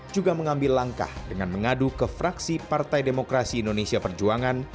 juga mengambil langkah dengan mengadu ke fraksi partai demokrasi indonesia perjuangan